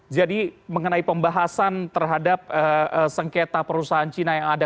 jadi mengenai pembahasan terhadap sengketa perusahaan cina yang ada